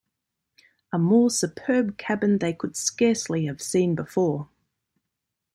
A more superb cabin they could scarcely have seen before.